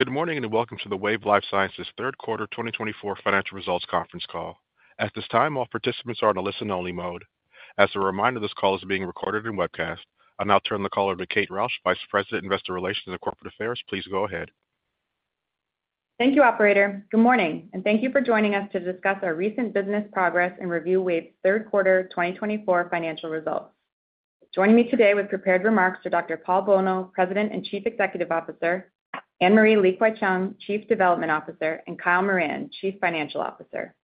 Good morning and welcome to the Wave Life Sciences' Third Quarter 2024 Financial Results Conference Call. At this time, all participants are in a listen-only mode. As a reminder, this call is being recorded and webcast. I now turn the call over to Kate Rausch, Vice President, Investor Relations and Corporate Affairs. Please go ahead. Thank you, Operator. Good morning, and thank you for joining us to discuss our recent business progress and review Wave's third quarter 2024 financial results. Joining me today with prepared remarks are Dr. Paul Bolno, President and Chief Executive Officer, Anne-Marie Li-Kwai-Cheung, Chief Development Officer, and Kyle Moran, Chief Financial Officer.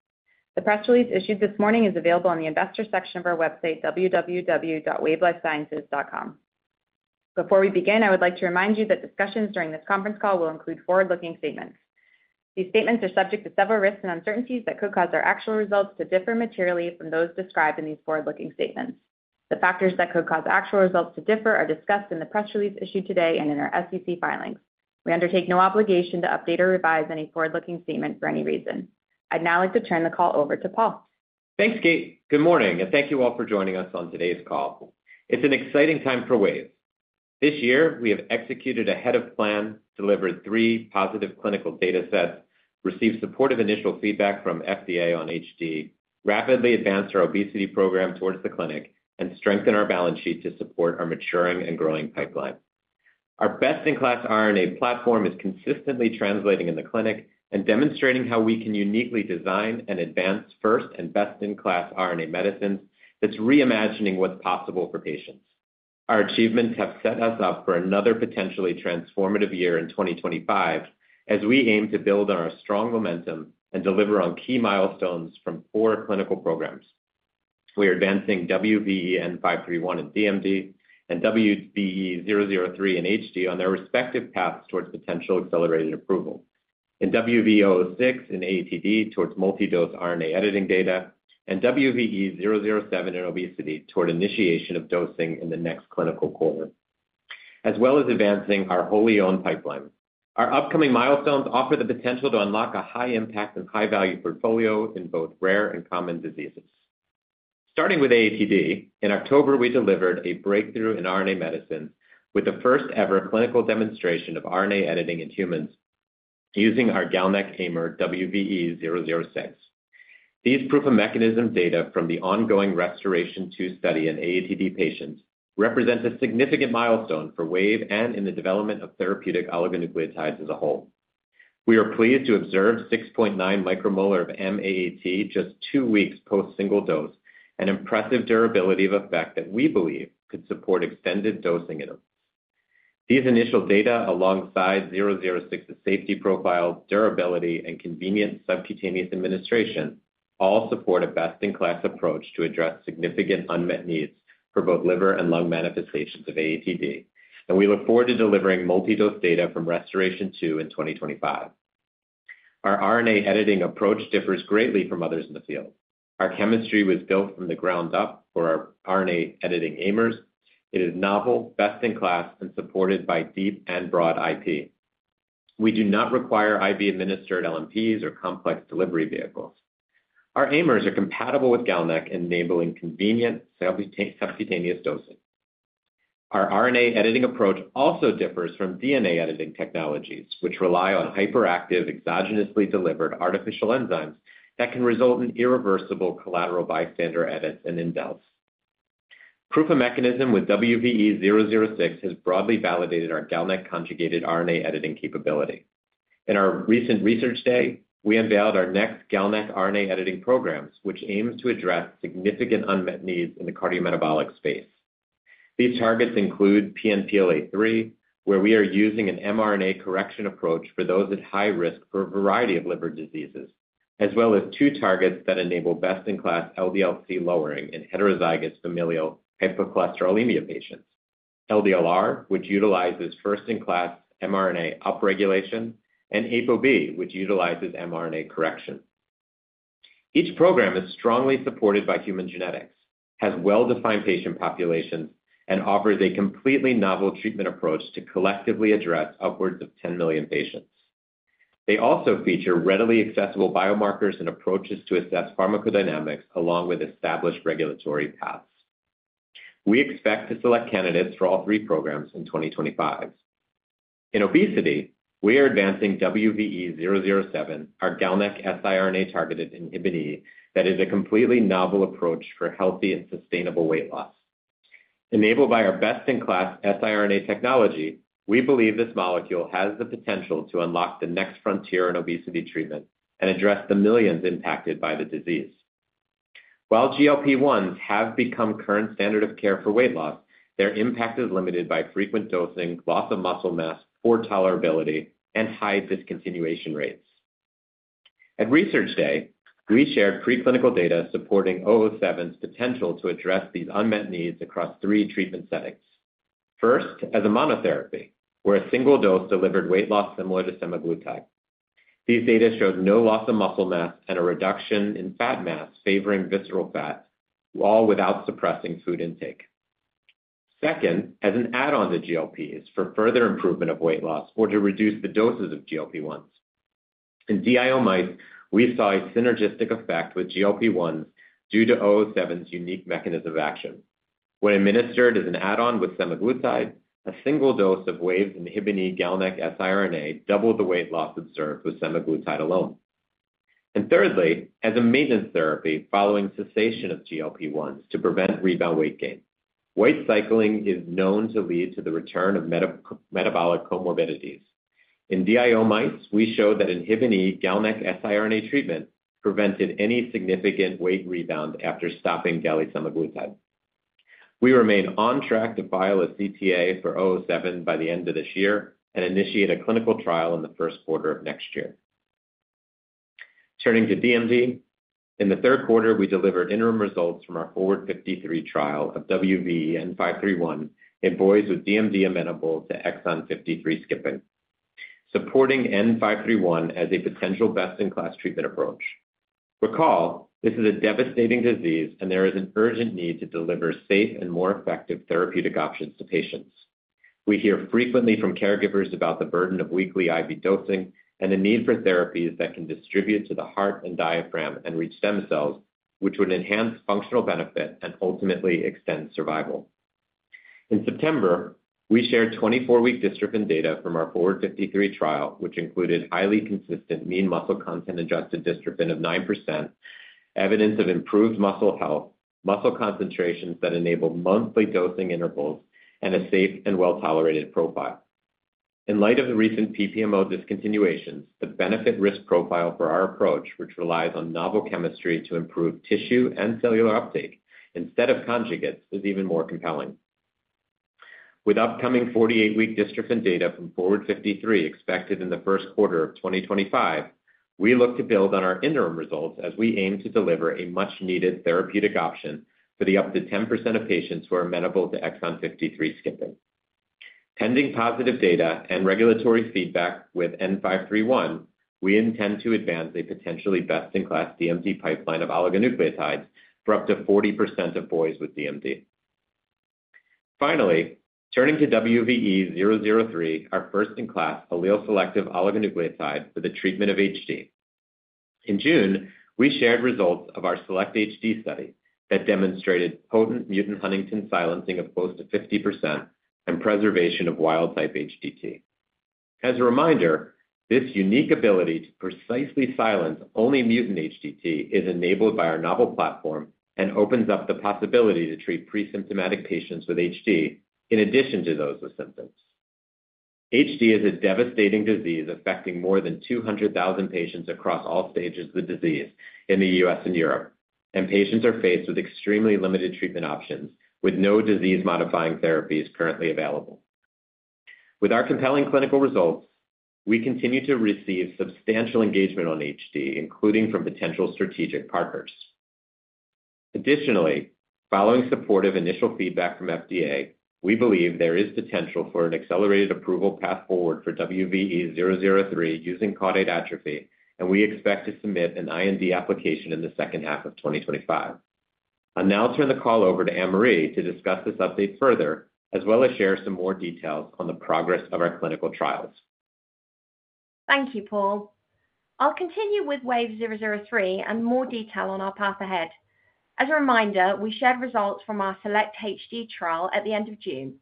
The press release issued this morning is available in the investor section of our website, www.wavelifesciences.com. Before we begin, I would like to remind you that discussions during this conference call will include forward-looking statements. These statements are subject to several risks and uncertainties that could cause our actual results to differ materially from those described in these forward-looking statements. The factors that could cause actual results to differ are discussed in the press release issued today and in our SEC filings. We undertake no obligation to update or revise any forward-looking statement for any reason. I'd now like to turn the call over to Paul. Thanks, Kate. Good morning, and thank you all for joining us on today's call. It's an exciting time for Wave. This year, we have executed ahead of plan, delivered three positive clinical data sets, received supportive initial feedback from the FDA on HD, rapidly advanced our obesity program towards the clinic, and strengthened our balance sheet to support our maturing and growing pipeline. Our best-in-class RNA platform is consistently translating in the clinic and demonstrating how we can uniquely design and advance first and best-in-class RNA medicines that's reimagining what's possible for patients. Our achievements have set us up for another potentially transformative year in 2025 as we aim to build on our strong momentum and deliver on key milestones from four clinical programs. We are advancing WVE-N531 in DMD and WVE-003 in HD on their respective paths towards potential accelerated approval, in WVE-006 in AATD towards multi-dose RNA editing data, and WVE-007 in obesity toward initiation of dosing in the next clinical quarter, as well as advancing our wholly owned pipeline. Our upcoming milestones offer the potential to unlock a high-impact and high-value portfolio in both rare and common diseases. Starting with AATD, in October, we delivered a breakthrough in RNA medicines with the first-ever clinical demonstration of RNA editing in humans using our GalNAc AIMers WVE-006. These proof-of-mechanism data from the ongoing Restoration-2 study in AATD patients represent a significant milestone for Wave and in the development of therapeutic oligonucleotides as a whole. We are pleased to observe 6.9 micromolar of M-AAT just two weeks post-single dose and impressive durability of effect that we believe could support extended dosing intervals. These initial data, alongside 006's safety profile, durability, and convenient subcutaneous administration, all support a best-in-class approach to address significant unmet needs for both liver and lung manifestations of AATD, and we look forward to delivering multi-dose data from Restoration-2 in 2025. Our RNA editing approach differs greatly from others in the field. Our chemistry was built from the ground up for our RNA editing AIMers. It is novel, best-in-class, and supported by deep and broad IP. We do not require IV-administered LNPs or complex delivery vehicles. Our AIMers are compatible with GalNAc, enabling convenient subcutaneous dosing. Our RNA editing approach also differs from DNA editing technologies, which rely on hyperactive, exogenously delivered artificial enzymes that can result in irreversible collateral bystander edits and indels. Proof-of-mechanism with WVE-006 has broadly validated our GalNAc-conjugated RNA editing capability. In our recent Research Day, we unveiled our next GalNAc RNA editing programs, which aims to address significant unmet needs in the cardiometabolic space. These targets include PNPLA3, where we are using an mRNA correction approach for those at high risk for a variety of liver diseases, as well as two targets that enable best-in-class LDL-C lowering in heterozygous familial hypercholesterolemia patients: LDLR, which utilizes first-in-class mRNA upregulation, and ApoB, which utilizes mRNA correction. Each program is strongly supported by human genetics, has well-defined patient populations, and offers a completely novel treatment approach to collectively address upwards of 10 million patients. They also feature readily accessible biomarkers and approaches to assess pharmacodynamics along with established regulatory paths. We expect to select candidates for all three programs in 2025. In obesity, we are advancing WVE-007, our GalNAc siRNA-targeted inhibitor that is a completely novel approach for healthy and sustainable weight loss. Enabled by our best-in-class siRNA technology, we believe this molecule has the potential to unlock the next frontier in obesity treatment and address the millions impacted by the disease. While GLP-1s have become current standard of care for weight loss, their impact is limited by frequent dosing, loss of muscle mass, poor tolerability, and high discontinuation rates. At Research Day, we shared preclinical data supporting 007's potential to address these unmet needs across three treatment settings. First, as a monotherapy, where a single dose delivered weight loss similar to semaglutide. These data showed no loss of muscle mass and a reduction in fat mass favoring visceral fat, all without suppressing food intake. Second, as an add-on to GLPs for further improvement of weight loss or to reduce the doses of GLP-1s. In DIO mice, we saw a synergistic effect with GLP-1s due to 007's unique mechanism of action. When administered as an add-on with semaglutide, a single dose of Wave's inhibitor, GalNAc siRNA, doubled the weight loss observed with semaglutide alone, and thirdly, as a maintenance therapy following cessation of GLP-1s to prevent rebound weight gain. Weight cycling is known to lead to the return of metabolic comorbidities. In DIO mice, we showed that inhibitor, GalNAc siRNA treatment prevented any significant weight rebound after stopping GLP-1 semaglutide. We remain on track to file a CTA for 007 by the end of this year and initiate a clinical trial in the first quarter of next year. Turning to DMD, in the third quarter, we delivered interim results from our FORWARD-53 trial of WVE-N531 in boys with DMD amenable to exon 53 skipping, supporting N531 as a potential best-in-class treatment approach. Recall, this is a devastating disease, and there is an urgent need to deliver safe and more effective therapeutic options to patients. We hear frequently from caregivers about the burden of weekly IV dosing and the need for therapies that can distribute to the heart and diaphragm and reach stem cells, which would enhance functional benefit and ultimately extend survival. In September, we shared 24-week dystrophin data from our FORWARD-53 trial, which included highly consistent mean muscle content adjusted dystrophin of 9%, evidence of improved muscle health, muscle concentrations that enable monthly dosing intervals, and a safe and well-tolerated profile. In light of the recent PPMO discontinuations, the benefit-risk profile for our approach, which relies on novel chemistry to improve tissue and cellular uptake instead of conjugates, is even more compelling. With upcoming 48-week dystrophin data from FORWARD-53 expected in the first quarter of 2025, we look to build on our interim results as we aim to deliver a much-needed therapeutic option for the up to 10% of patients who are amenable to exon 53 skipping. Pending positive data and regulatory feedback with N531, we intend to advance a potentially best-in-class DMD pipeline of oligonucleotides for up to 40% of boys with DMD. Finally, turning to WVE-003, our first-in-class allele-selective oligonucleotide for the treatment of HD. In June, we shared results of our SELECT-HD study that demonstrated potent mutant Huntingtin silencing of close to 50% and preservation of wild-type HTT. As a reminder, this unique ability to precisely silence only mutant HTT is enabled by our novel platform and opens up the possibility to treat pre-symptomatic patients with HD in addition to those with symptoms. HD is a devastating disease affecting more than 200,000 patients across all stages of the disease in the U.S. and Europe, and patients are faced with extremely limited treatment options with no disease-modifying therapies currently available. With our compelling clinical results, we continue to receive substantial engagement on HD, including from potential strategic partners. Additionally, following supportive initial feedback from FDA, we believe there is potential for an accelerated approval path forward for WVE-003 using caudate atrophy, and we expect to submit an IND application in the second half of 2025. I'll now turn the call over to Anne-Marie to discuss this update further, as well as share some more details on the progress of our clinical trials. Thank you, Paul. I'll continue with WVE-003 and more detail on our path ahead. As a reminder, we shared results from our SELECT-HD trial at the end of June.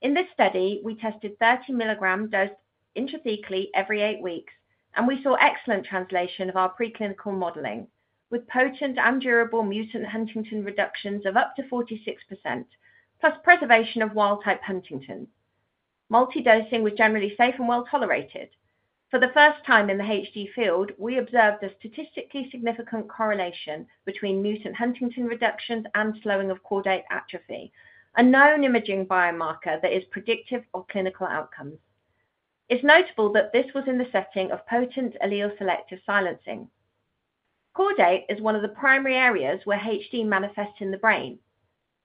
In this study, we tested 30 milligrams dosed intrathecally every eight weeks, and we saw excellent translation of our preclinical modeling with potent and durable mutant Huntingtin reductions of up to 46%, plus preservation of wild-type Huntingtin. Multi-dosing was generally safe and well-tolerated. For the first time in the HD field, we observed a statistically significant correlation between mutant Huntingtin reductions and slowing of caudate atrophy, a known imaging biomarker that is predictive of clinical outcomes. It's notable that this was in the setting of potent allele-selective silencing. Caudate is one of the primary areas where HD manifests in the brain.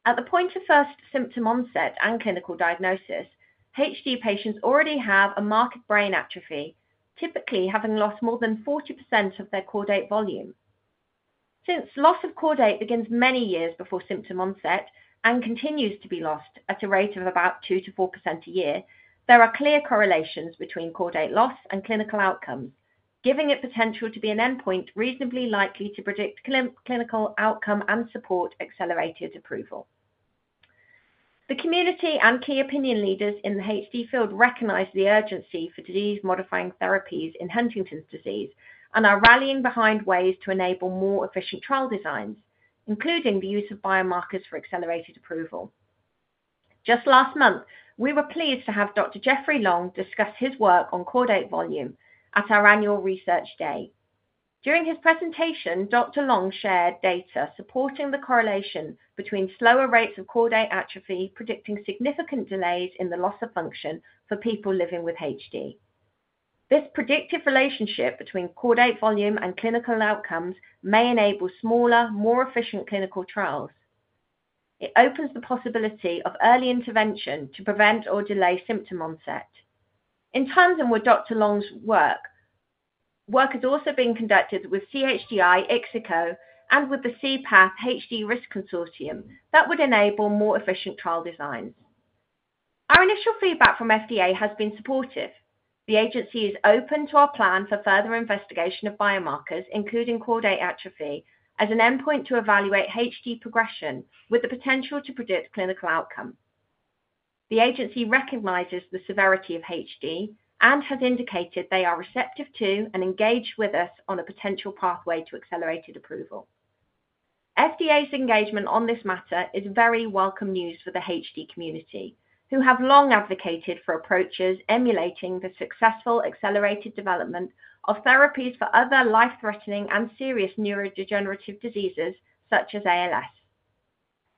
At the point of first symptom onset and clinical diagnosis, HD patients already have a marked brain atrophy, typically having lost more than 40% of their caudate volume. Since loss of caudate begins many years before symptom onset and continues to be lost at a rate of about 2%-4% a year, there are clear correlations between caudate loss and clinical outcomes, giving it potential to be an endpoint reasonably likely to predict clinical outcome and support accelerated approval. The community and key opinion leaders in the HD field recognize the urgency for disease-modifying therapies in Huntington's disease and are rallying behind ways to enable more efficient trial designs, including the use of biomarkers for accelerated approval. Just last month, we were pleased to have Dr. Jeffrey Long discuss his work on caudate volume at our annual Research Day. During his presentation, Dr. Long shared data supporting the correlation between slower rates of caudate atrophy predicting significant delays in the loss of function for people living with HD. This predictive relationship between caudate volume and clinical outcomes may enable smaller, more efficient clinical trials. It opens the possibility of early intervention to prevent or delay symptom onset. In tandem with Dr. Long's work, work has also been conducted with CHDI, IXICO, and with the C-Path HD Risk Consortium that would enable more efficient trial designs. Our initial feedback from FDA has been supportive. The agency is open to our plan for further investigation of biomarkers, including caudate atrophy, as an endpoint to evaluate HD progression with the potential to predict clinical outcome. The agency recognizes the severity of HD and has indicated they are receptive to and engage with us on a potential pathway to accelerated approval. FDA's engagement on this matter is very welcome news for the HD community, who have long advocated for approaches emulating the successful accelerated development of therapies for other life-threatening and serious neurodegenerative diseases such as ALS.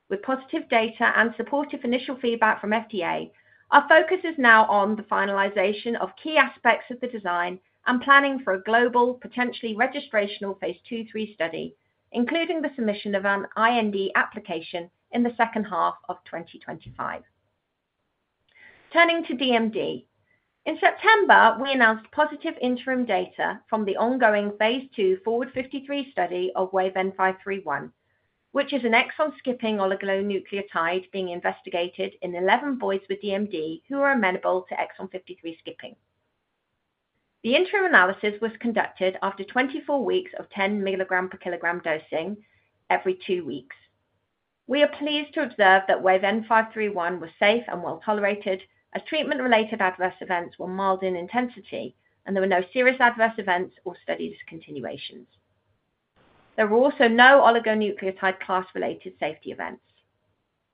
With positive data and supportive initial feedback from FDA, our focus is now on the finalization of key aspects of the design and planning for a global, potentially registrational phase II/III study, including the submission of an IND application in the second half of 2025. Turning to DMD, in September, we announced positive interim data from the ongoing phase II FORWARD-53 study of WVE-N531, which is an exon-skipping oligonucleotide being investigated in 11 boys with DMD who are amenable to exon 53 skipping. The interim analysis was conducted after 24 weeks of 10 mg per kilogram dosing every two weeks. We are pleased to observe that WVE-N531 was safe and well-tolerated as treatment-related adverse events were mild in intensity, and there were no serious adverse events or study discontinuations. There were also no oligonucleotide class-related safety events.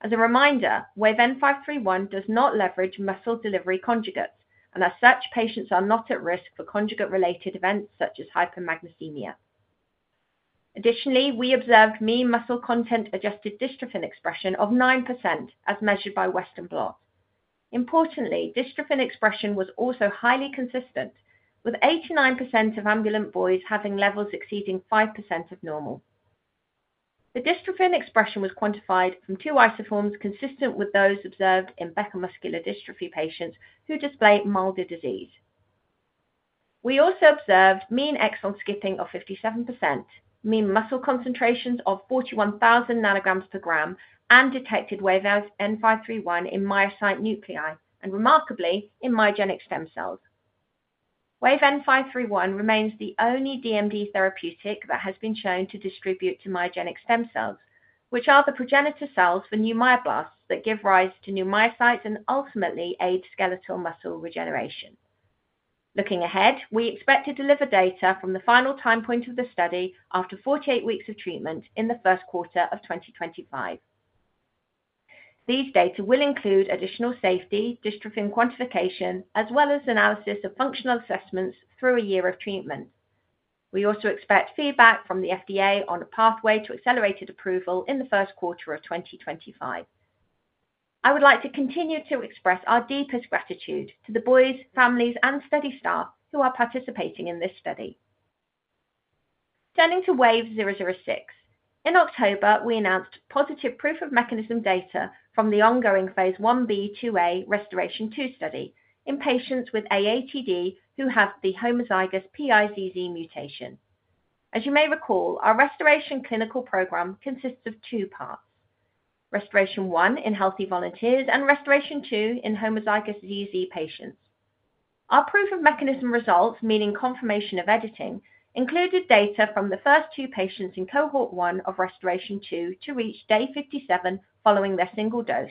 As a reminder, WVE-N531 does not leverage muscle delivery conjugates, and as such, patients are not at risk for conjugate-related events such as hypermagnesemia. Additionally, we observed mean muscle content adjusted dystrophin expression of 9% as measured by Western blot. Importantly, dystrophin expression was also highly consistent, with 89% of ambulant boys having levels exceeding 5% of normal. The dystrophin expression was quantified from two isoforms consistent with those observed in Becker muscular dystrophy patients who display milder disease. We also observed mean exon skipping of 57%, mean muscle concentrations of 41,000 nanograms per gram, and detected WVE-N531 in myocyte nuclei and, remarkably, in myogenic stem cells. WVE-N531 remains the only DMD therapeutic that has been shown to distribute to myogenic stem cells, which are the progenitor cells for new myoblasts that give rise to new myocytes and ultimately aid skeletal muscle regeneration. Looking ahead, we expect to deliver data from the final time point of the study after 48 weeks of treatment in the first quarter of 2025. These data will include additional safety, dystrophin quantification, as well as analysis of functional assessments through a year of treatment. We also expect feedback from the FDA on a pathway to accelerated approval in the first quarter of 2025. I would like to continue to express our deepest gratitude to the boys, families, and study staff who are participating in this study. Turning to WVE-006, in October, we announced positive proof-of-mechanism data from the ongoing phase Ib/a Restoration-2 study in patients with AATD who have the homozygous PiZZ mutation. As you may recall, our Restoration clinical program consists of two parts: Restoration-1 in healthy volunteers and Restoration-2 in homozygous PiZZ patients. Our proof-of-mechanism results, meaning confirmation of editing, included data from the first two patients in Cohort 1 of Restoration-2 to reach day 57 following their single dose,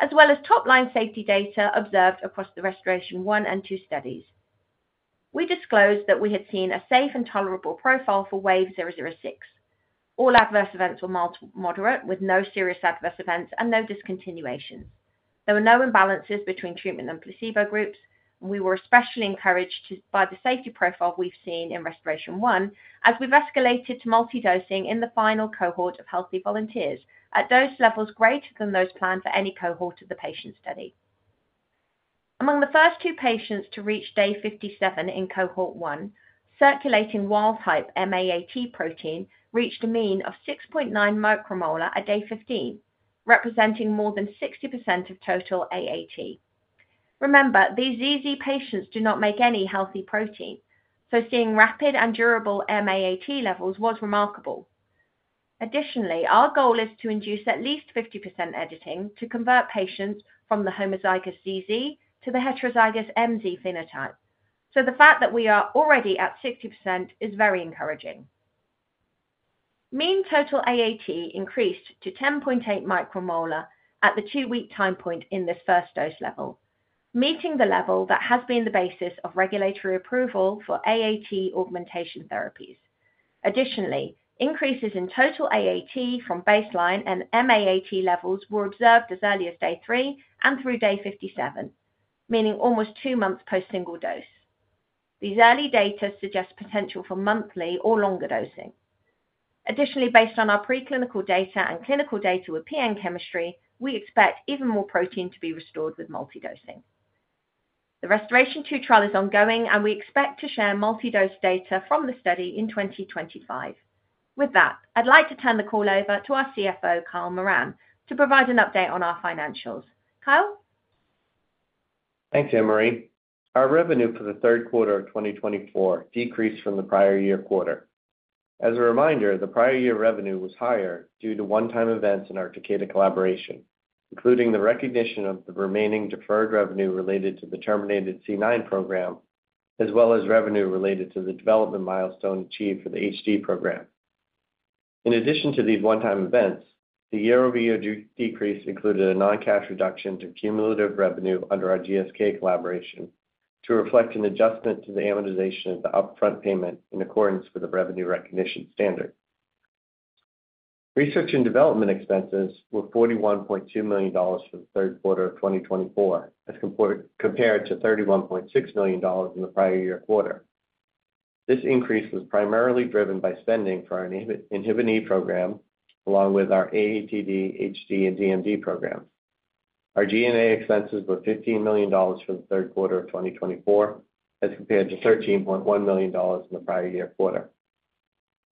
as well as top-line safety data observed across the Restoration-1 and 2 studies. We disclosed that we had seen a safe and tolerable profile for WVE-006. All adverse events were moderate, with no serious adverse events and no discontinuations. There were no imbalances between treatment and placebo groups, and we were especially encouraged by the safety profile we've seen in Restoration-1 as we've escalated to multi-dosing in the final cohort of healthy volunteers at dose levels greater than those planned for any cohort of the patient study. Among the first two patients to reach day 57 in Cohort 1, circulating wild-type M-AAT protein reached a mean of 6.9 micromolar at day 15, representing more than 60% of total AAT. Remember, these ZZ patients do not make any healthy protein, so seeing rapid and durable M-AAT levels was remarkable. Additionally, our goal is to induce at least 50% editing to convert patients from the homozygous ZZ to the heterozygous MZ phenotype, so the fact that we are already at 60% is very encouraging. Mean total AAT increased to 10.8 micromolar at the two-week time point in this first dose level, meeting the level that has been the basis of regulatory approval for AAT augmentation therapies. Additionally, increases in total AAT from baseline and M-AAT levels were observed as early as day three and through day 57, meaning almost two months post-single dose. These early data suggest potential for monthly or longer dosing. Additionally, based on our preclinical data and clinical data with PN chemistry, we expect even more protein to be restored with multi-dosing. The Restoration 2 trial is ongoing, and we expect to share multi-dose data from the study in 2025. With that, I'd like to turn the call over to our CFO, Kyle Moran, to provide an update on our financials. Kyle? Thanks, Anne-Marie. Our revenue for the third quarter of 2024 decreased from the prior year quarter. As a reminder, the prior year revenue was higher due to one-time events in our Takeda collaboration, including the recognition of the remaining deferred revenue related to the terminated C9 program, as well as revenue related to the development milestone achieved for the HD program. In addition to these one-time events, the year-over-year decrease included a non-cash reduction to cumulative revenue under our GSK collaboration to reflect an adjustment to the amortization of the upfront payment in accordance with the revenue recognition standard. Research and development expenses were $41.2 million for the third quarter of 2024, as compared to $31.6 million in the prior year quarter. This increase was primarily driven by spending for our INHBE program, along with our AATD, HD, and DMD programs. Our G&A expenses were $15 million for the third quarter of 2024, as compared to $13.1 million in the prior year quarter.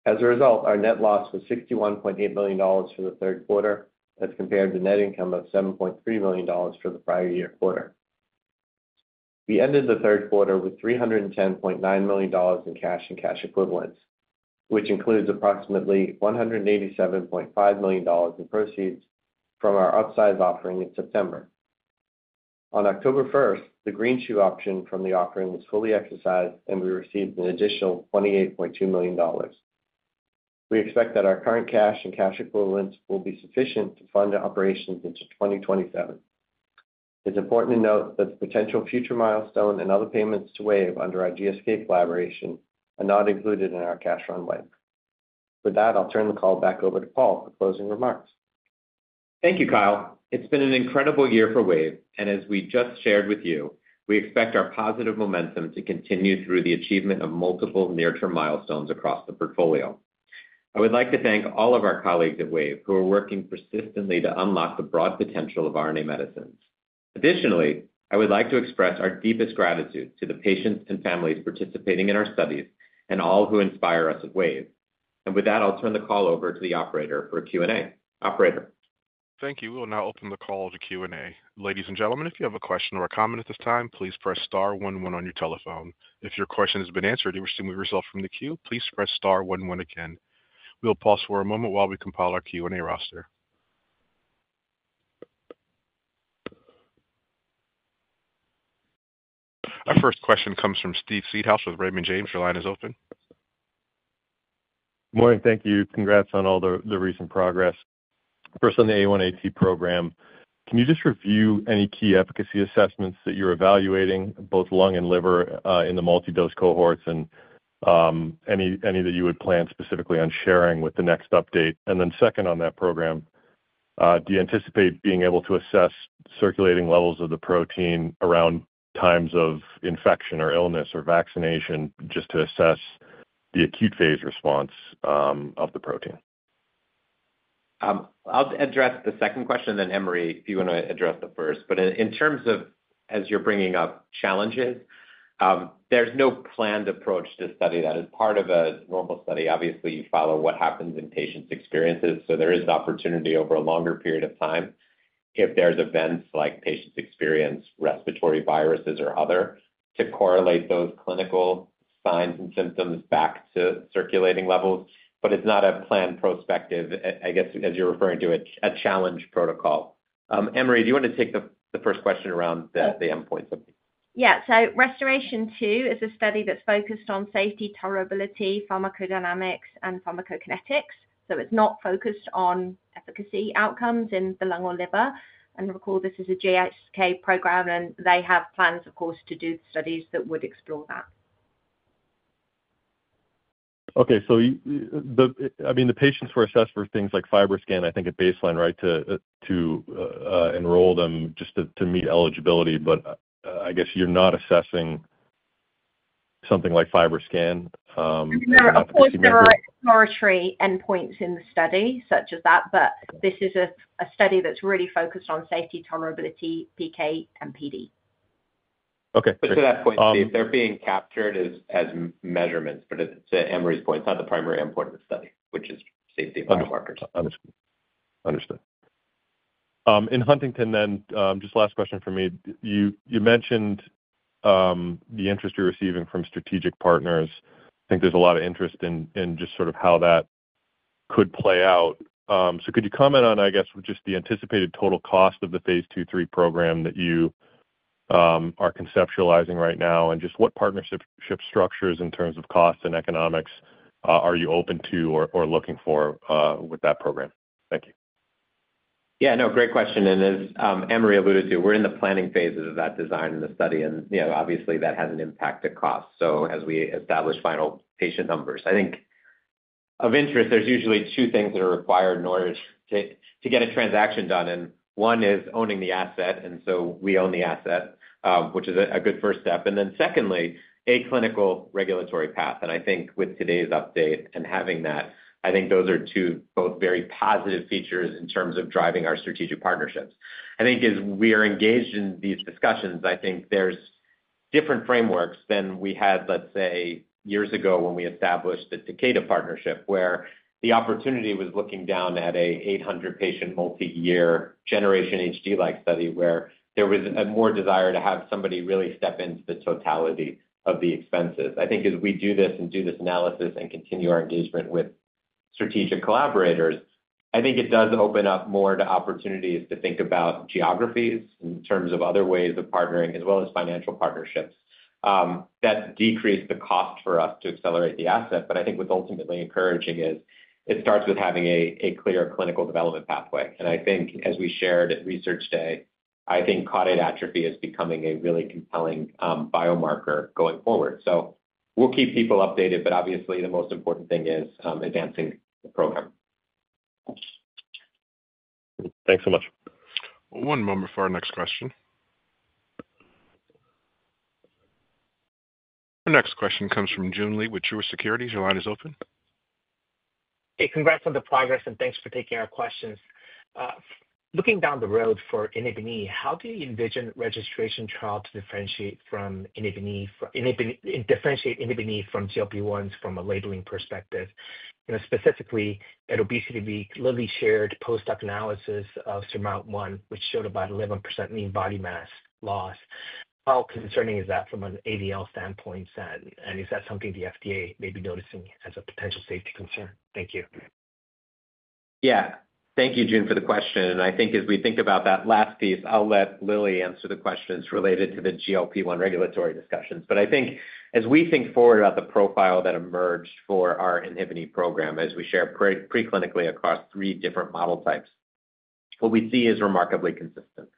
As a result, our net loss was $61.8 million for the third quarter, as compared to net income of $7.3 million for the prior year quarter. We ended the third quarter with $310.9 million in cash and cash equivalents, which includes approximately $187.5 million in proceeds from our upsize offering in September. On October 1st, the green shoe option from the offering was fully exercised, and we received an additional $28.2 million. We expect that our current cash and cash equivalents will be sufficient to fund operations into 2027. It's important to note that the potential future milestone and other payments to Wave under our GSK collaboration are not included in our cash runway. With that, I'll turn the call back over to Paul for closing remarks. Thank you, Kyle. It's been an incredible year for Wave, and as we just shared with you, we expect our positive momentum to continue through the achievement of multiple near-term milestones across the portfolio. I would like to thank all of our colleagues at Wave who are working persistently to unlock the broad potential of RNA medicines. Additionally, I would like to express our deepest gratitude to the patients and families participating in our studies and all who inspire us at Wave. And with that, I'll turn the call over to the operator for a Q&A. Operator. Thank you. We will now open the call to Q&A. Ladies and gentlemen, if you have a question or a comment at this time, please press star one one on your telephone. If your question has been answered or you're seeing the result from the queue, please press star one one again. We will pause for a moment while we compile our Q&A roster. Our first question comes from Steve Seedhouse with Raymond James. Your line is open. Good morning. Thank you. Congrats on all the recent progress. First, on the AAT program, can you just review any key efficacy assessments that you're evaluating, both lung and liver in the multi-dose cohorts, and any that you would plan specifically on sharing with the next update? And then second, on that program, do you anticipate being able to assess circulating levels of the protein around times of infection or illness or vaccination just to assess the acute phase response of the protein? I'll address the second question, then Anne-Marie, if you want to address the first. But in terms of, as you're bringing up, challenges, there's no planned approach to study that. It's part of a normal study. Obviously, you follow what happens in patients' experiences, so there is an opportunity over a longer period of time if there's events like patients experience respiratory viruses or other to correlate those clinical signs and symptoms back to circulating levels. But it's not a planned prospective, I guess, as you're referring to, a challenge protocol. Anne-Marie, do you want to take the first question around the end points of these? Restoration-2 is a study that's focused on safety, tolerability, pharmacodynamics, and pharmacokinetics. So it's not focused on efficacy outcomes in the lung or liver. Recall, this is a GSK program, and they have plans, of course, to do studies that would explore that. Okay. So I mean, the patients were assessed for things like FibroScan, I think, at baseline, right, to enroll them just to meet eligibility. But I guess you're not assessing something like FibroScan. There are exploratory endpoints in the study such as that, but this is a study that's really focused on safety, tolerability, PK, and PD. Okay. So that point, they're being captured as measurements, but to Anne-Marie's point, it's not the primary endpoint of the study, which is safety of biomarkers. Understood. Understood. In Huntingtin, then, just last question for me. You mentioned the interest you're receiving from strategic partners. I think there's a lot of interest in just sort of how that could play out. So could you comment on, I guess, just the anticipated total cost of the phase II/III program that you are conceptualizing right now and just what partnership structures in terms of costs and economics are you open to or looking for with that program? Thank you. Yeah. No, great question. And as Anne-Marie alluded to, we're in the planning phases of that design and the study, and obviously, that has an impact to cost. So as we establish final patient numbers, I think of interest, there's usually two things that are required in order to get a transaction done. And one is owning the asset, and so we own the asset, which is a good first step. And then secondly, a clinical regulatory path. And I think with today's update and having that, I think those are two both very positive features in terms of driving our strategic partnerships. I think as we are engaged in these discussions, I think there's different frameworks than we had, let's say, years ago when we established the Takeda partnership, where the opportunity was looking at an 800-patient multi-year generational HD-like study where there was a more desire to have somebody really step into the totality of the expenses. I think as we do this and do this analysis and continue our engagement with strategic collaborators, I think it does open up more to opportunities to think about geographies in terms of other ways of partnering, as well as financial partnerships, that decrease the cost for us to accelerate the asset, but I think what's ultimately encouraging is it starts with having a clear clinical development pathway, and I think, as we shared at Research Day, I think caudate atrophy is becoming a really compelling biomarker going forward. So we'll keep people updated, but obviously, the most important thing is advancing the program. Thanks so much. One moment for our next question. Our next question comes from Joon Lee with Truist Securities. Your line is open. Hey, congrats on the progress, and thanks for taking our questions. Looking down the road for INHBE, how do you envision registration trial to differentiate INHBE from GLP-1s from a labeling perspective? Specifically, at ObesityWeek, Lilly shared post hoc analysis of SURMOUNT-1, which showed about 11% mean body mass loss. How concerning is that from an ADL standpoint, and is that something the FDA may be noticing as a potential safety concern? Thank you. Yeah. Thank you, Joon, for the question. And I think as we think about that last piece, I'll let Lilly answer the questions related to the GLP-1 regulatory discussions. But I think as we think forward about the profile that emerged for our INHBE program, as we share preclinically across three different model types, what we see is remarkably consistent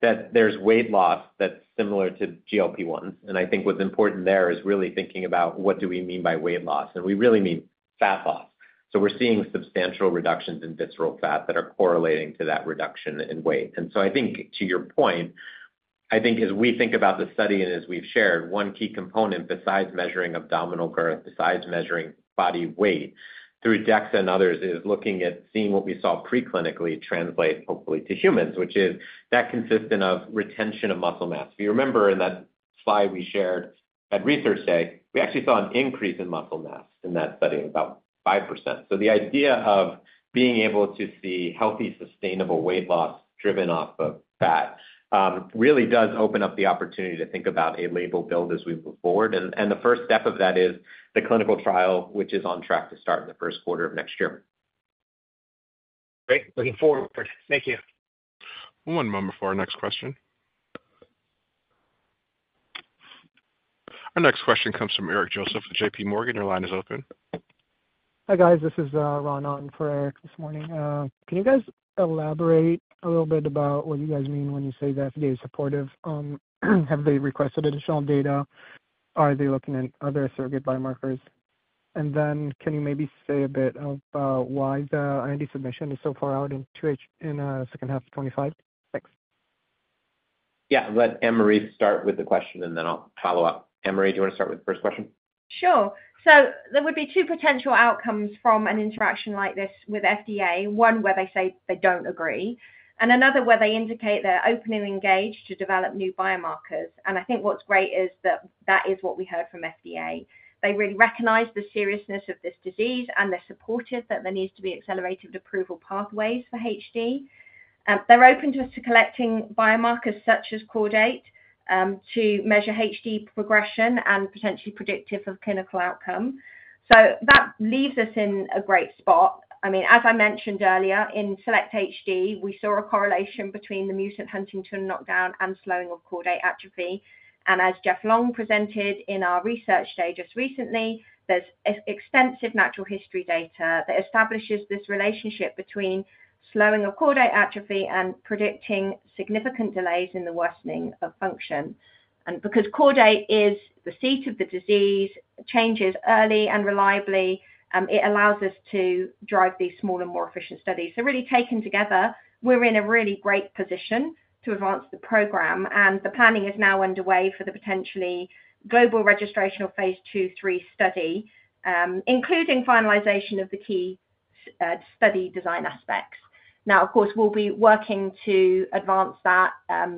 that there's weight loss that's similar to GLP-1s. And I think what's important there is really thinking about what do we mean by weight loss, and we really mean fat loss. So we're seeing substantial reductions in visceral fat that are correlating to that reduction in weight. And so I think to your point, I think as we think about the study and as we've shared, one key component besides measuring abdominal girth, besides measuring body weight through DEXA and others, is looking at seeing what we saw preclinically translate, hopefully, to humans, which is that consistent of retention of muscle mass. If you remember in that slide we shared at Research Day, we actually saw an increase in muscle mass in that study of about 5%. So the idea of being able to see healthy, sustainable weight loss driven off of fat really does open up the opportunity to think about a label build as we move forward. And the first step of that is the clinical trial, which is on track to start in the first quarter of next year. Great. Looking forward. Thank you. One moment for our next question. Our next question comes from Eric Joseph with J.P. Morgan. Your line is open. Hi guys. This is Ronan for Eric this morning. Can you guys elaborate a little bit about what you guys mean when you say the FDA is supportive? Have they requested additional data? Are they looking at other surrogate biomarkers? And then can you maybe say a bit about why the IND submission is so far out in the second half of 2025? Thanks. Yeah. Let Anne-Marie start with the question, and then I'll follow up. Anne-Marie, do you want to start with the first question? Sure. So there would be two potential outcomes from an interaction like this with FDA. One where they say they don't agree, and another where they indicate they're open and engaged to develop new biomarkers. And I think what's great is that that is what we heard from FDA. They really recognize the seriousness of this disease, and they're supportive that there needs to be accelerated approval pathways for HD. They're open to us to collecting biomarkers such as caudate to measure HD progression and potentially predictive of clinical outcome. So that leaves us in a great spot. I mean, as I mentioned earlier, in SELECT-HD, we saw a correlation between the mutant Huntingtin knockdown and slowing of caudate atrophy. As Jeff Long presented in our Research Day just recently, there's extensive natural history data that establishes this relationship between slowing of caudate atrophy and predicting significant delays in the worsening of function. Because caudate is the seat of the disease, changes early and reliably, it allows us to drive these smaller, more efficient studies. Really taken together, we're in a really great position to advance the program, and the planning is now underway for the potentially global registration of phase 2/3 study, including finalization of the key study design aspects. Now, of course, we'll be working to advance that at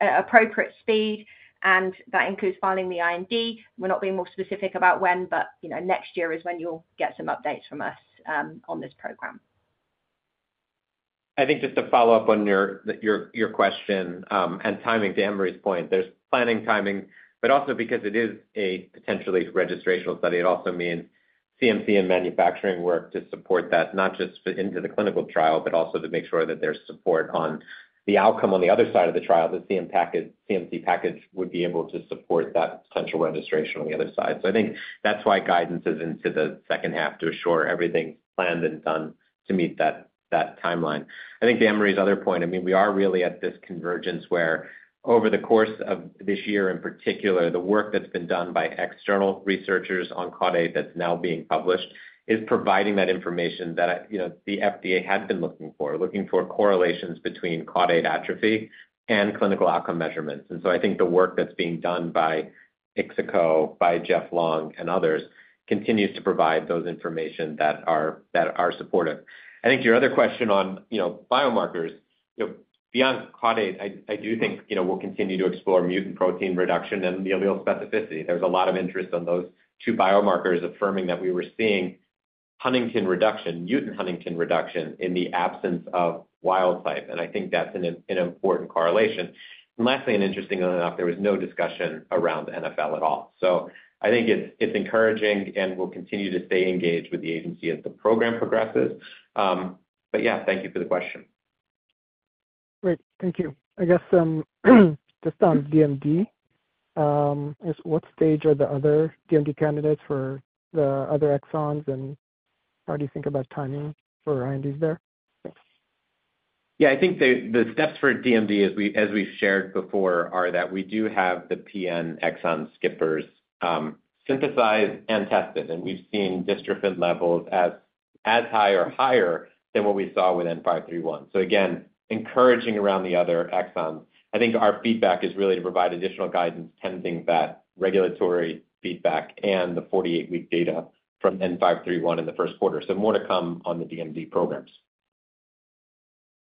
appropriate speed, and that includes filing the IND. We're not being more specific about when, but next year is when you'll get some updates from us on this program. I think just to follow up on your question and timing to Anne-Marie's point, there's planning timing, but also because it is a potentially registrational study, it also means CMC and manufacturing work to support that, not just into the clinical trial, but also to make sure that there's support on the outcome on the other side of the trial, that the CMC package would be able to support that potential registration on the other side. So I think that's why guidance is into the second half to assure everything's planned and done to meet that timeline. I think to Anne-Marie's other point, I mean, we are really at this convergence where over the course of this year in particular, the work that's been done by external researchers on caudate that's now being published is providing that information that the FDA had been looking for, looking for correlations between caudate atrophy and clinical outcome measurements. And so I think the work that's being done by IXICO, by Jeff Long, and others continues to provide those information that are supportive. I think your other question on biomarkers, beyond caudate, I do think we'll continue to explore mutant protein reduction and allele specificity. There's a lot of interest on those two biomarkers affirming that we were seeing Huntingtin reduction, mutant Huntingtin reduction in the absence of wild type. And I think that's an important correlation. And lastly, and interestingly enough, there was no discussion around NfL at all. So I think it's encouraging, and we'll continue to stay engaged with the agency as the program progresses. But yeah, thank you for the question. Great. Thank you. I guess just on DMD, what stage are the other DMD candidates for the other exons? And how do you think about timing for INDs there? Yeah. I think the steps for DMD, as we've shared before, are that we do have the PN exon skippers synthesized and tested, and we've seen dystrophin levels as high or higher than what we saw with N531. So again, encouraging around the other exons. I think our feedback is really to provide additional guidance, including the regulatory feedback and the 48-week data from N531 in the first quarter. So more to come on the DMD programs.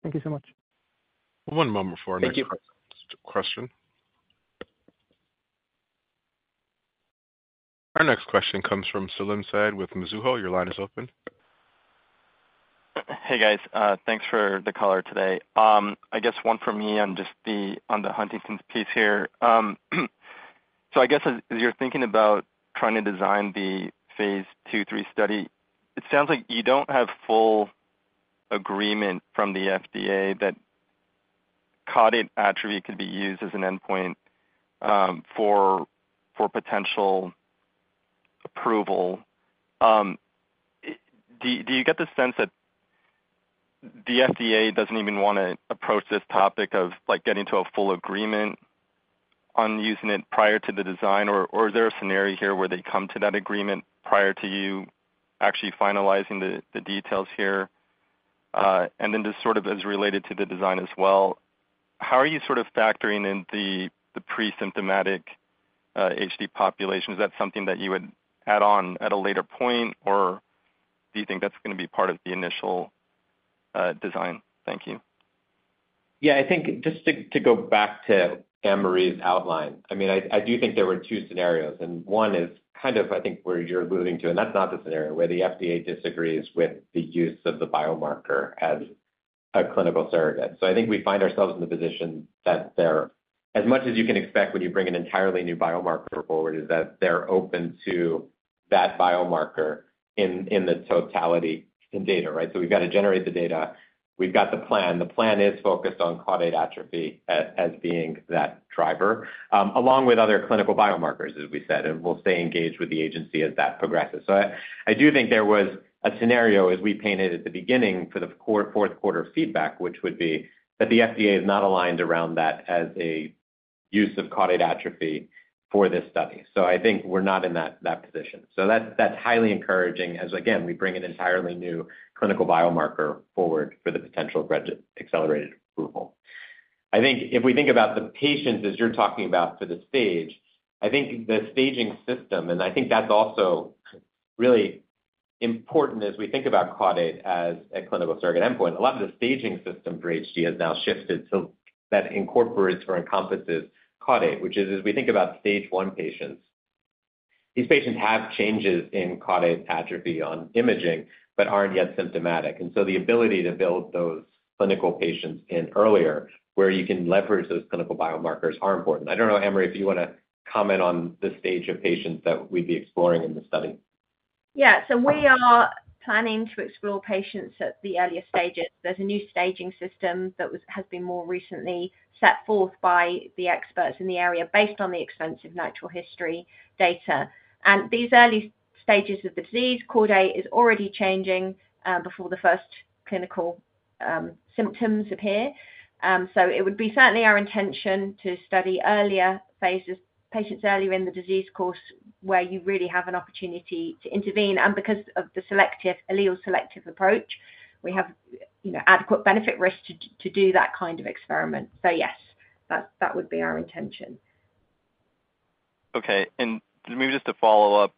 Thank you so much. One moment for our next question. Our next question comes from Salim Syed with Mizuho. Your line is open. Hey, guys. Thanks for the call today. I guess one for me on the Huntington's piece here. So I guess as you're thinking about trying to design the Phase II/III study, it sounds like you don't have full agreement from the FDA that Caudate atrophy could be used as an endpoint for potential approval. Do you get the sense that the FDA doesn't even want to approach this topic of getting to a full agreement on using it prior to the design, or is there a scenario here where they come to that agreement prior to you actually finalizing the details here? And then just sort of as related to the design as well, how are you sort of factoring in the pre-symptomatic HD population? Is that something that you would add on at a later point, or do you think that's going to be part of the initial design? Thank you. Yeah. I think just to go back to Anne-Marie's outline, I mean, I do think there were two scenarios, and one is kind of, I think, where you're alluding to, and that's not the scenario where the FDA disagrees with the use of the biomarker as a clinical surrogate. So I think we find ourselves in the position that they're, as much as you can expect when you bring an entirely new biomarker forward, is that they're open to that biomarker in the totality and data, right? So we've got to generate the data. We've got the plan. The plan is focused on caudate atrophy as being that driver, along with other clinical biomarkers, as we said, and we'll stay engaged with the agency as that progresses. So I do think there was a scenario, as we painted at the beginning for the fourth quarter feedback, which would be that the FDA is not aligned around that as a use of caudate atrophy for this study. So I think we're not in that position. So that's highly encouraging as, again, we bring an entirely new clinical biomarker forward for the potential accelerated approval. I think if we think about the patients, as you're talking about for the stage, I think the staging system, and I think that's also really important as we think about caudate as a clinical surrogate endpoint, a lot of the staging system for HD has now shifted so that it incorporates or encompasses caudate, which is, as we think about stage one patients, these patients have changes in caudate atrophy on imaging but aren't yet symptomatic. And so the ability to build those clinical patients in earlier where you can leverage those clinical biomarkers is important. I don't know, Anne-Marie, if you want to comment on the stage of patients that we'd be exploring in the study? Yeah. So we are planning to explore patients at the earlier stages. There's a new staging system that has been more recently set forth by the experts in the area based on the extensive natural history data. And these early stages of the disease, caudate is already changing before the first clinical symptoms appear. So it would be certainly our intention to study earlier phases, patients earlier in the disease course where you really have an opportunity to intervene. And because of the allele selective approach, we have adequate benefit risk to do that kind of experiment. So yes, that would be our intention. Okay. And maybe just to follow up,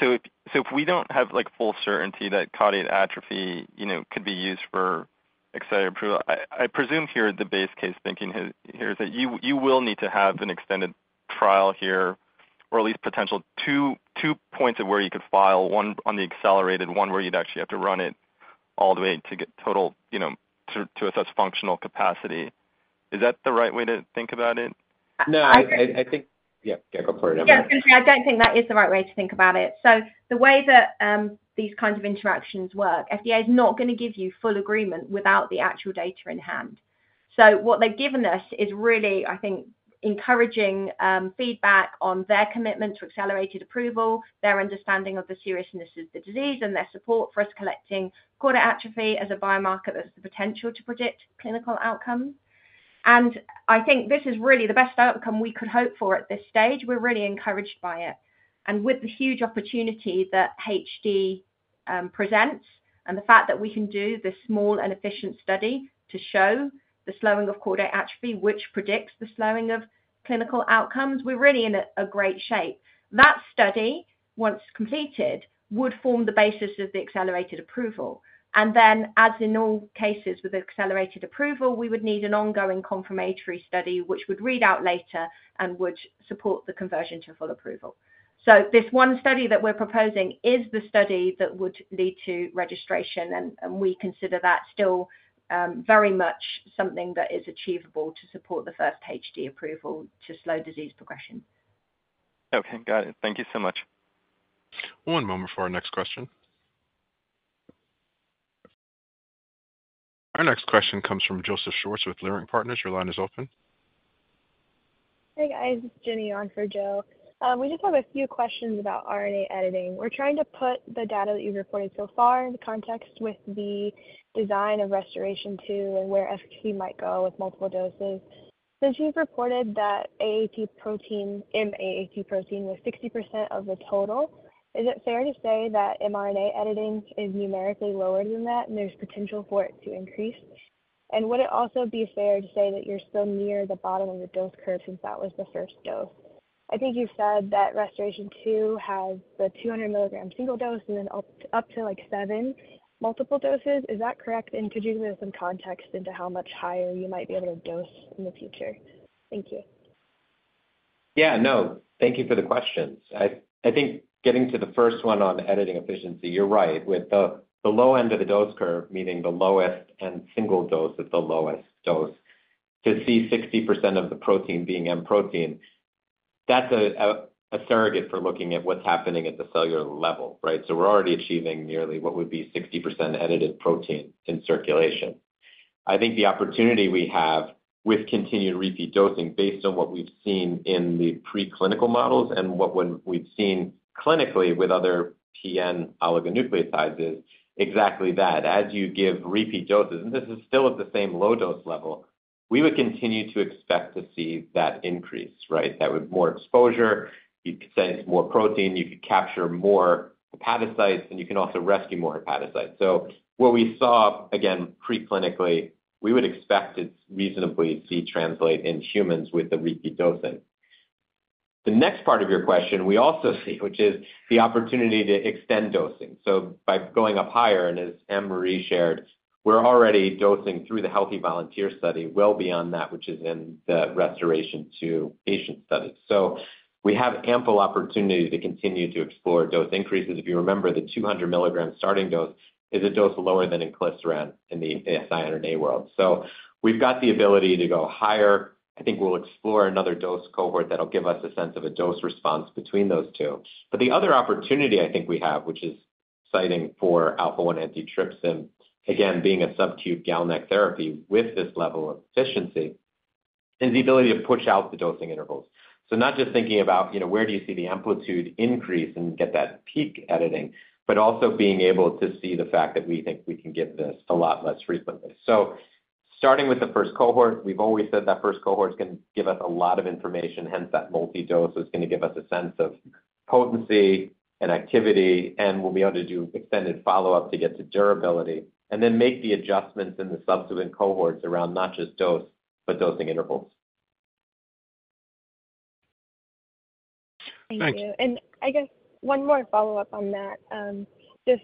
so if we don't have full certainty that Caudate atrophy could be used for accelerated approval, I presume here the base case thinking here is that you will need to have an extended trial here or at least potential two points of where you could file, one on the accelerated, one where you'd actually have to run it all the way to assess functional capacity. Is that the right way to think about it? No. Yeah. Go for it, Anne-Marie. Yeah. I don't think that is the right way to think about it, so the way that these kinds of interactions work, FDA is not going to give you full agreement without the actual data in hand, so what they've given us is really, I think, encouraging feedback on their commitment to accelerated approval, their understanding of the seriousness of the disease, and their support for us collecting caudate atrophy as a biomarker that has the potential to predict clinical outcomes, and I think this is really the best outcome we could hope for at this stage. We're really encouraged by it, and with the huge opportunity that HD presents and the fact that we can do this small and efficient study to show the slowing of caudate atrophy, which predicts the slowing of clinical outcomes, we're really in a great shape. That study, once completed, would form the basis of the accelerated approval. And then, as in all cases with accelerated approval, we would need an ongoing confirmatory study, which would read out later and would support the conversion to full approval. So this one study that we're proposing is the study that would lead to registration, and we consider that still very much something that is achievable to support the first HD approval to slow disease progression. Okay. Got it. Thank you so much. One moment for our next question. Our next question comes from Joseph Schwartz with Leerink Partners. Your line is open. Hey, guys. It's Jenny on for Joseph Schwartz. We just have a few questions about RNA editing. We're trying to put the data that you've reported so far in context with the design of Restoration-2 and where the FDA might go with multiple doses. Since you've reported that M-AAT protein was 60% of the total, is it fair to say that mRNA editing is numerically lower than that, and there's potential for it to increase? And would it also be fair to say that you're still near the bottom of the dose curve since that was the first dose? I think you said that Restoration-2 has the 200 mg single dose and then up to seven multiple doses. Is that correct? And could you give us some context into how much higher you might be able to dose in the future? Thank you. Yeah. No. Thank you for the questions. I think getting to the first one on editing efficiency, you're right. With the low end of the dose curve, meaning the lowest and single dose is the lowest dose, to see 60% of the protein being M protein, that's a surrogate for looking at what's happening at the cellular level, right? So we're already achieving nearly what would be 60% edited protein in circulation. I think the opportunity we have with continued repeat dosing based on what we've seen in the preclinical models and what we've seen clinically with other PN oligonucleotides is exactly that. As you give repeat doses, and this is still at the same low dose level, we would continue to expect to see that increase, right? That would be more exposure. You could say it's more protein. You could capture more hepatocytes, and you can also rescue more hepatocytes. So what we saw, again, preclinically, we would expect it reasonably to see translate in humans with the repeat dosing. The next part of your question we also see, which is the opportunity to extend dosing. So by going up higher, and as Anne-Marie shared, we're already dosing through the Healthy Volunteer study well beyond that, which is in the Restoration-2 patient study. So we have ample opportunity to continue to explore dose increases. If you remember, the 200-milligram starting dose is a dose lower than Inclisiran in the siRNA world. So we've got the ability to go higher. I think we'll explore another dose cohort that'll give us a sense of a dose response between those two. But the other opportunity I think we have, which is exciting for Alpha-1 antitrypsin, again, being a subcutaneous GalNAc therapy with this level of efficiency, is the ability to push out the dosing intervals. So not just thinking about where do you see the amplitude increase and get that peak editing, but also being able to see the fact that we think we can give this a lot less frequently. So starting with the first cohort, we've always said that first cohort is going to give us a lot of information. Hence, that multi-dose is going to give us a sense of potency and activity, and we'll be able to do extended follow-up to get to durability and then make the adjustments in the subsequent cohorts around not just dose, but dosing intervals. Thank you. And I guess one more follow-up on that. Just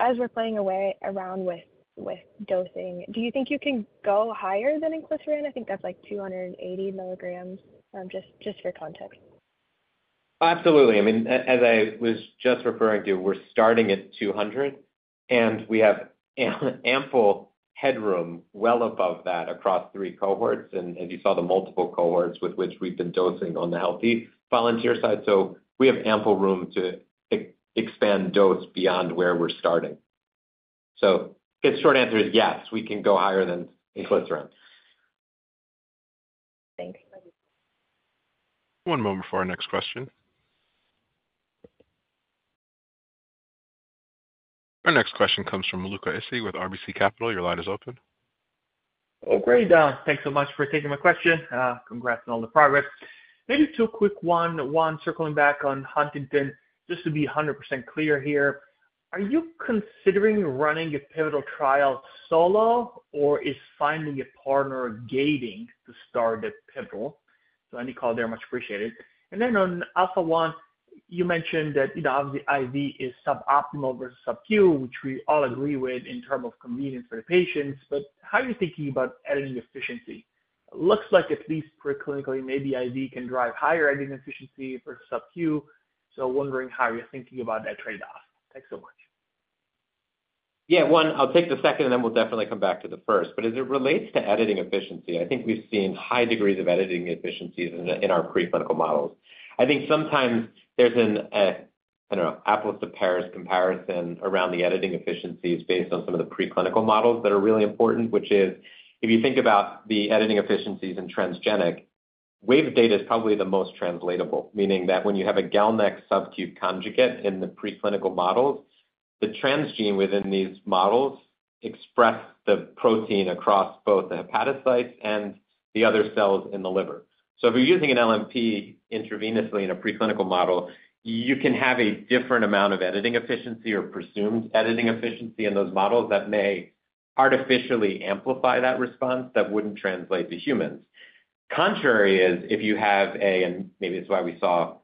as we're playing around with dosing, do you think you can go higher than Inclisiran? I think that's like 280 milligrams, just for context. Absolutely. I mean, as I was just referring to, we're starting at 200, and we have ample headroom well above that across three cohorts, and as you saw, the multiple cohorts with which we've been dosing on the healthy volunteer side, so we have ample room to expand dose beyond where we're starting, so the short answer is yes, we can go higher than Inclisiran. Thank you. One moment for our next question. Our next question comes from Luca Issi with RBC Capital. Your line is open. Oh, great. Thanks so much for taking my question. Congrats on all the progress. Maybe two quick ones. One, circling back on Huntingtin, just to be 100% clear here. Are you considering running a pivotal trial solo, or is finding a partner gating to start the pivotal? So any call there, much appreciated. And then on alpha-1, you mentioned that obviously IV is suboptimal versus subQ, which we all agree with in terms of convenience for the patients. But how are you thinking about editing efficiency? Looks like at least preclinically, maybe IV can drive higher editing efficiency versus subQ. So wondering how you're thinking about that trade-off. Thanks so much. Yeah. One, I'll take the second, and then we'll definitely come back to the first. But as it relates to editing efficiency, I think we've seen high degrees of editing efficiencies in our preclinical models. I think sometimes there's an, I don't know, apples to pears comparison around the editing efficiencies based on some of the preclinical models that are really important, which is if you think about the editing efficiencies in transgenic, Wave data is probably the most translatable, meaning that when you have a GalNAc subQ conjugate in the preclinical models, the transgene within these models express the protein across both the hepatocytes and the other cells in the liver. So if you're using an LNP intravenously in a preclinical model, you can have a different amount of editing efficiency or presumed editing efficiency in those models that may artificially amplify that response that wouldn't translate to humans. Conversely, if you have and maybe that's why we saw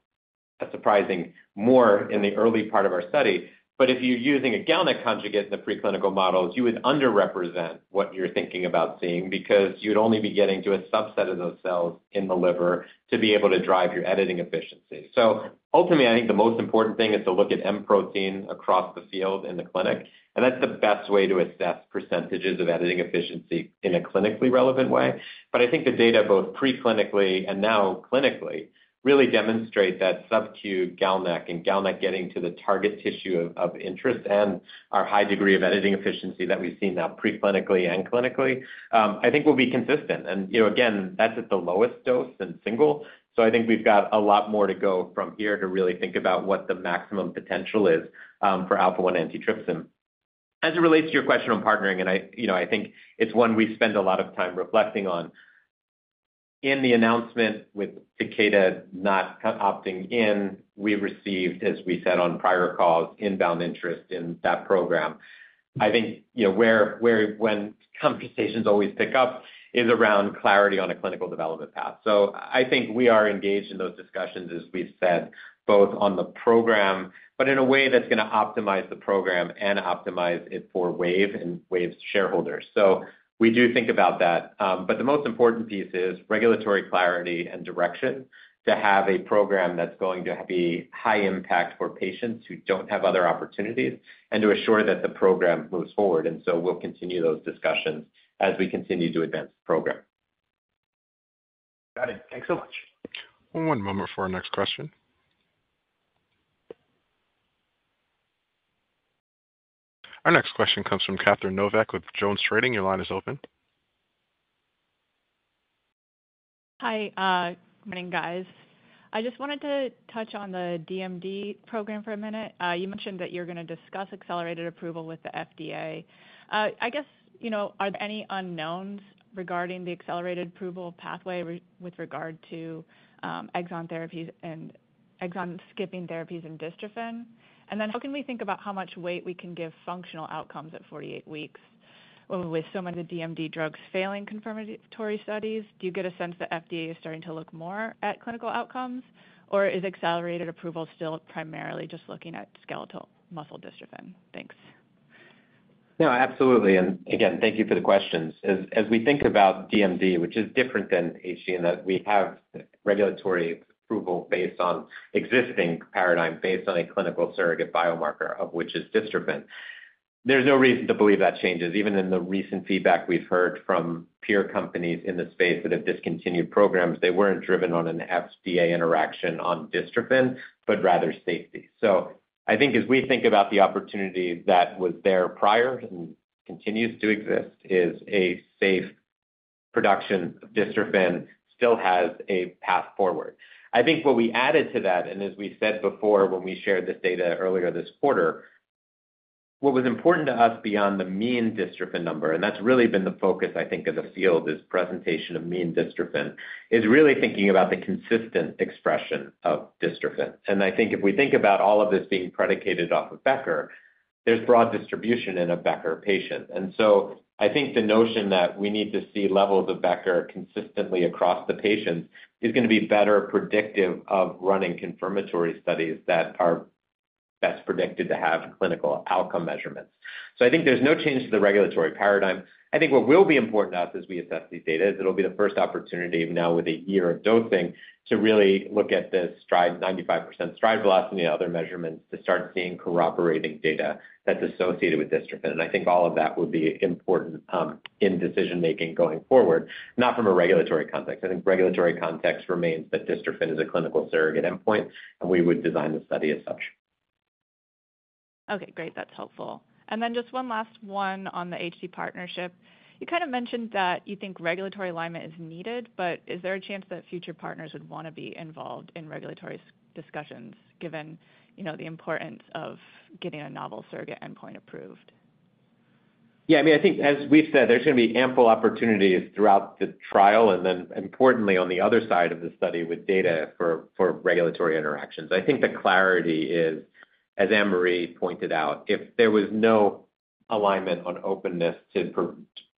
surprisingly more in the early part of our study, but if you're using a GalNAc conjugate in the preclinical models, you would underrepresent what you're thinking about seeing because you'd only be getting to a subset of those cells in the liver to be able to drive your editing efficiency. So ultimately, I think the most important thing is to look at edited protein across the field in the clinic, and that's the best way to assess percentages of editing efficiency in a clinically relevant way. But I think the data both preclinically and now clinically really demonstrate that subcutaneous GalNAc and GalNAc getting to the target tissue of interest and our high degree of editing efficiency that we've seen now preclinically and clinically, I think will be consistent. Again, that's at the lowest dose and single. So I think we've got a lot more to go from here to really think about what the maximum potential is for alpha-1 antitrypsin. As it relates to your question on partnering, and I think it's one we spend a lot of time reflecting on, in the announcement with Takeda not opting in, we received, as we said on prior calls, inbound interest in that program. I think when conversations always pick up is around clarity on a clinical development path. So I think we are engaged in those discussions, as we've said, both on the program, but in a way that's going to optimize the program and optimize it for Wave and Wave's shareholders. So we do think about that. But the most important piece is regulatory clarity and direction to have a program that's going to be high impact for patients who don't have other opportunities and to assure that the program moves forward. And so we'll continue those discussions as we continue to advance the program. Got it. Thanks so much. One moment for our next question. Our next question comes from Catherine Novack with JonesTrading. Your line is open. Hi. Good morning, guys. I just wanted to touch on the DMD program for a minute. You mentioned that you're going to discuss accelerated approval with the FDA. I guess, are there any unknowns regarding the accelerated approval pathway with regard to exon skipping therapies and dystrophin? And then how can we think about how much weight we can give functional outcomes at 48 weeks with so many of the DMD drugs failing confirmatory studies? Do you get a sense that FDA is starting to look more at clinical outcomes, or is accelerated approval still primarily just looking at skeletal muscle dystrophin? Thanks. No, absolutely and again, thank you for the questions. As we think about DMD, which is different than HD in that we have regulatory approval based on existing paradigm based on a clinical surrogate biomarker of which is dystrophin, there's no reason to believe that changes. Even in the recent feedback we've heard from peer companies in the space that have discontinued programs, they weren't driven on an FDA interaction on dystrophin, but rather safety, so I think as we think about the opportunity that was there prior and continues to exist, is a safe production of dystrophin still has a path forward. I think what we added to that, and as we said before when we shared this data earlier this quarter, what was important to us beyond the mean dystrophin number, and that's really been the focus, I think, of the field, is presentation of mean dystrophin. It is really thinking about the consistent expression of dystrophin. And I think if we think about all of this being predicated off of Becker, there's broad distribution in a Becker patient. And so I think the notion that we need to see levels of Becker consistently across the patients is going to be better predictive of running confirmatory studies that are best predicted to have clinical outcome measurements. So I think there's no change to the regulatory paradigm. I think what will be important to us as we assess these data is it'll be the first opportunity now with a year of dosing to really look at this 95% stride velocity and other measurements to start seeing corroborating data that's associated with dystrophin, and I think all of that would be important in decision-making going forward, not from a regulatory context. I think regulatory context remains that dystrophin is a clinical surrogate endpoint, and we would design the study as such. Okay. Great. That's helpful. And then just one last one on the HD partnership. You kind of mentioned that you think regulatory alignment is needed, but is there a chance that future partners would want to be involved in regulatory discussions given the importance of getting a novel surrogate endpoint approved? Yeah. I mean, I think as we've said, there's going to be ample opportunities throughout the trial. And then importantly, on the other side of the study with data for regulatory interactions, I think the clarity is, as Anne-Marie pointed out, if there was no alignment on openness to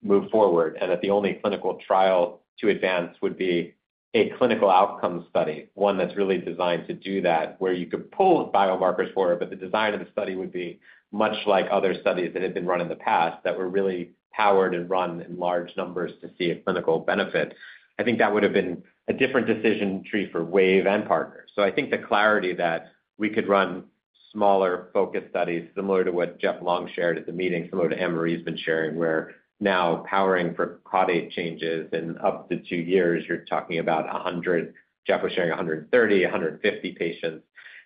move forward and that the only clinical trial to advance would be a clinical outcome study, one that's really designed to do that where you could pull biomarkers for it, but the design of the study would be much like other studies that had been run in the past that were really powered and run in large numbers to see a clinical benefit. I think that would have been a different decision tree for Wave and partners. I think the clarity that we could run smaller focus studies similar to what Jeff Long shared at the meeting, similar to what Anne-Marie has been sharing, where now powering for caudate changes in up to two years, you're talking about 100. Jeff was sharing 130, 150 patients.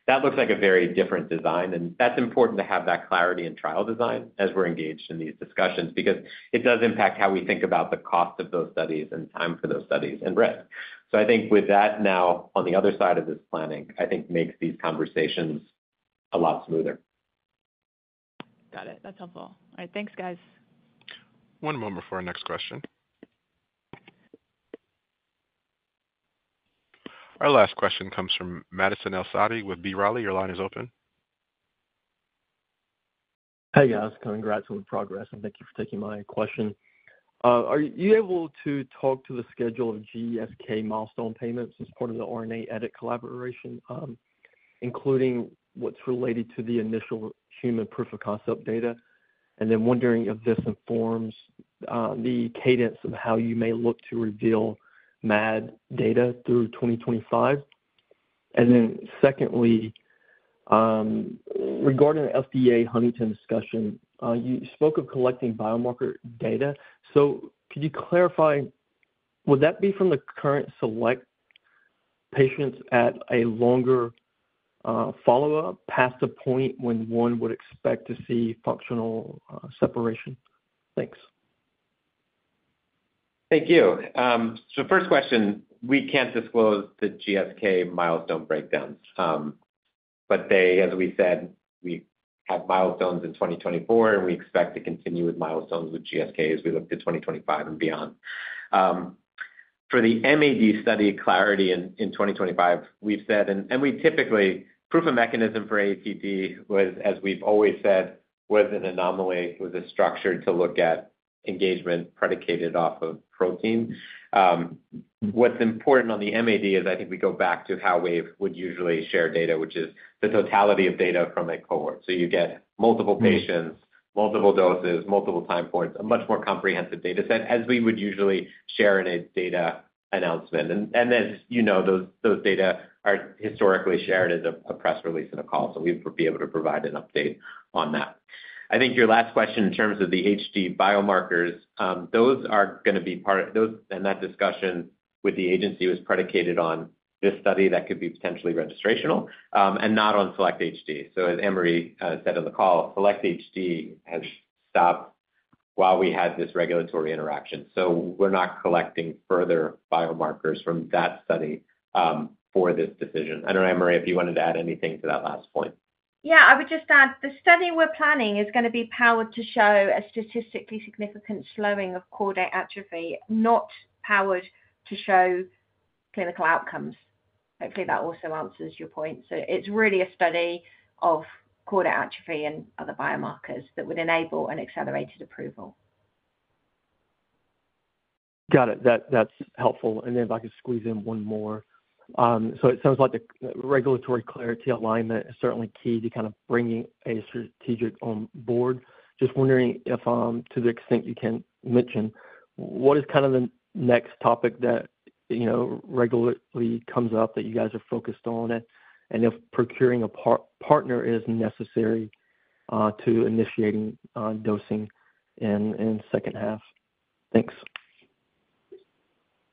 That looks like a very different design. And that's important to have that clarity in trial design as we're engaged in these discussions because it does impact how we think about the cost of those studies and time for those studies and risk. I think with that now on the other side of this planning, I think makes these conversations a lot smoother. Got it. That's helpful. All right. Thanks, guys. One moment for our next question. Our last question comes from Madison El-Saadi with B. Riley. Your line is open. Hey, guys. Congrats on the progress, and thank you for taking my question. Are you able to talk to the schedule of GSK milestone payments as part of the RNA editing collaboration, including what's related to the initial human proof of concept data? And then wondering if this informs the cadence of how you may look to reveal MAD data through 2025. And then secondly, regarding the FDA Huntingtin discussion, you spoke of collecting biomarker data. So could you clarify, would that be from the current SELECT patients at a longer follow-up past the point when one would expect to see functional separation? Thanks. Thank you. So first question, we can't disclose the GSK milestone breakdowns. But as we said, we have milestones in 2024, and we expect to continue with milestones with GSK as we look to 2025 and beyond. For the MAD study clarity in 2025, we've said, and we typically proof of mechanism for AATD was, as we've always said, was an anomaly. It was a structure to look at engagement predicated off of protein. What's important on the MAD is I think we go back to how Wave would usually share data, which is the totality of data from a cohort. So you get multiple patients, multiple doses, multiple time points, a much more comprehensive data set as we would usually share in a data announcement. And as you know, those data are historically shared as a press release and a call. So we would be able to provide an update on that. I think your last question in terms of the HD biomarkers, those are going to be part of that discussion with the agency, was predicated on this study that could be potentially registrational and not on SELECT-HD. So as Anne-Marie said on the call, SELECT-HD has stopped while we had this regulatory interaction. So we're not collecting further biomarkers from that study for this decision. I don't know, Anne-Marie, if you wanted to add anything to that last point. Yeah. I would just add the study we're planning is going to be powered to show a statistically significant slowing of caudate atrophy, not powered to show clinical outcomes. Hopefully, that also answers your point. So it's really a study of caudate atrophy and other biomarkers that would enable an accelerated approval. Got it. That's helpful. And then if I could squeeze in one more. So it sounds like regulatory clarity alignment is certainly key to kind of bringing a strategic on board. Just wondering if to the extent you can mention, what is kind of the next topic that regulatory comes up that you guys are focused on and if procuring a partner is necessary to initiating dosing in second half? Thanks.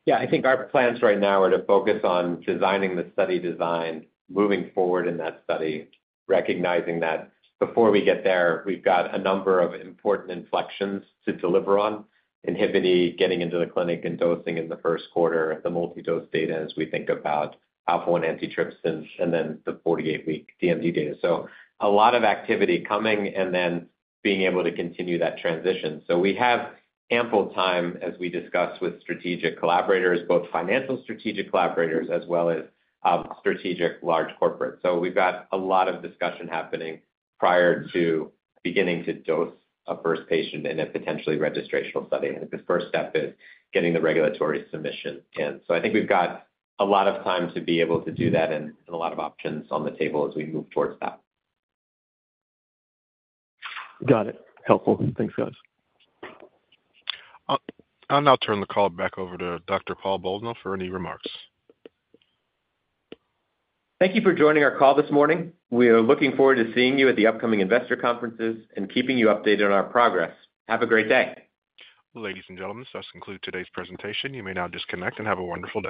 Yeah. I think our plans right now are to focus on designing the study design moving forward in that study, recognizing that before we get there, we've got a number of important inflections to deliver on: INHBE, getting into the clinic and dosing in the first quarter, the multi-dose data as we think about alpha-1 antitrypsin, and then the 48-week DMD data. So a lot of activity coming and then being able to continue that transition. So we have ample time, as we discussed with strategic collaborators, both financial strategic collaborators as well as strategic large corporates. So we've got a lot of discussion happening prior to beginning to dose a first patient in a potentially registrational study. I think the first step is getting the regulatory submission in. I think we've got a lot of time to be able to do that and a lot of options on the table as we move towards that. Got it. Helpful. Thanks, guys. And I'll turn the call back over to Dr. Paul Bolno for any remarks. Thank you for joining our call this morning. We are looking forward to seeing you at the upcoming investor conferences and keeping you updated on our progress. Have a great day. Ladies and gentlemen, this does conclude today's presentation. You may now disconnect and have a wonderful day.